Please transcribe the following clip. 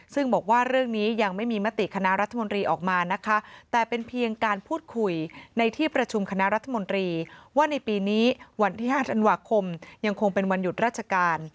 ซึ่งบอกว่าเรื่องนี้ยังไม่มีมติคณะรัฐมนตรีออกมานะคะแต่เป็นเพียงการพูดคุยในที่ประชุมคณะรัฐมนตรีว่าในปีนี้วันที่๕ธันวาคมยังคงเป็นวันหยุดราชการ